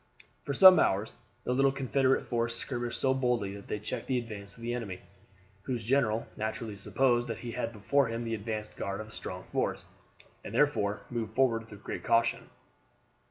For some hours the little Confederate force skirmished so boldly that they checked the advance of the enemy, whose general naturally supposed that he had before him the advanced guard of a strong force, and therefore moved forward with great caution.